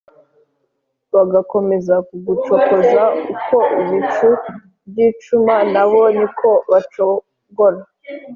Bagakomeza kugucokoza Uko ibicu byicuma Nabo ni ko bacogora.